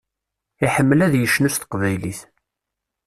Iḥemmel ad icnu s teqbaylit.